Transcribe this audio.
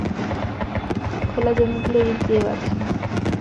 খোলা জমিগুলো ইট দিয়ে বাঁধানো।